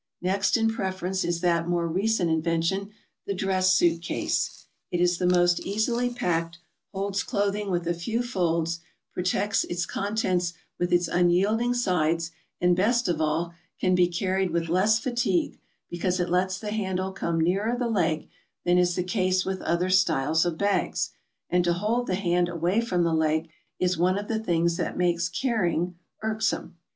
Next in preference is that more recent invention, the dress suit case. It is the most easily packed, holds clothing with a few folds, protects its contents with its unyielding sides, and, best of all, can be carried with least fatigue, because it lets the handle come nearer the leg than is the case with other styles 'of bags, and to hold the hand away from the leg is one of the things that makes ca^ying irksome.